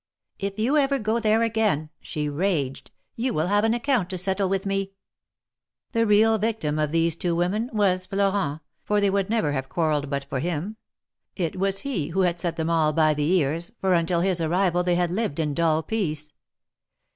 '^If you ever go there again," she raged, ^^you will have an account to settle with me !" 166 THE MARKETS OF PARIS. The real victim of these two women was Florent, for they would never have quarrelled but for him — it was he who had set them all by the ears, for until his arrival they had lived in dull peace.